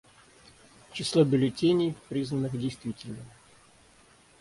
Число бюллетеней, признанных действительными.